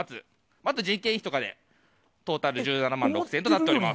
あと人件費とかでトータル１７万６０００円となります。